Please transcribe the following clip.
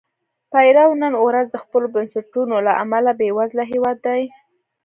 پیرو نن ورځ د خپلو بنسټونو له امله بېوزله هېواد دی.